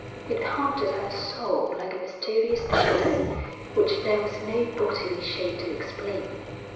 It haunted her soul like a mysterious shadow which there was no bodily shape to explain.